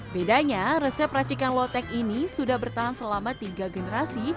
bedanya resep racikan lotek ini sudah bertahan selama tiga generasi